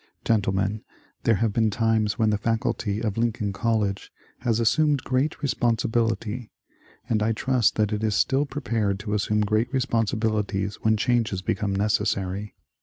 Gentlemen, there have been times when the Faculty of Lincoln College has assumed great responsibil ity, and I trust that it is still prepared to assume great responsibilities when changes become necessary.